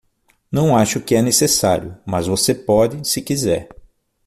Não acho que é necessário, mas você pode, se quiser.